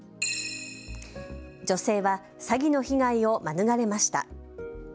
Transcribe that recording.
女性は詐欺の被害を免れました。